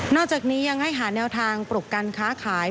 อกจากนี้ยังให้หาแนวทางปลุกกันค้าขาย